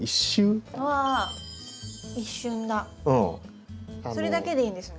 それだけでいいんですね。